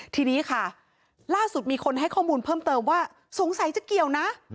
ทีนี้ค่ะล่าสุดมีคนให้ข้อมูลเพิ่มเติมว่าสงสัยจะเกี่ยวนะ